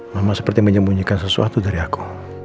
mama seperti menyembunyikan sesuatu dari aku